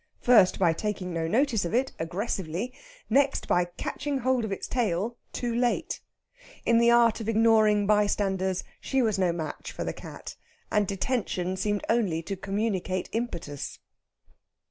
first by taking no notice of it aggressively, next by catching hold of its tail, too late. In the art of ignoring bystanders, she was no match for the cat. And detention seemed only to communicate impetus.